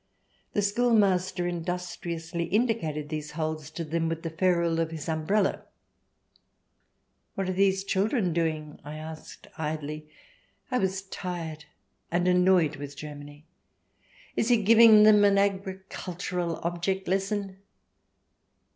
The schoolmaster industriously indi cated these holes to them with the ferrule of his umbrella. " What are these children doing ?" I asked idly. 13 194 THE DESIRABLE ALIEN [ch. xiv I was tired, and annoyed with Germany. " Is he giving them an agricultural object lesson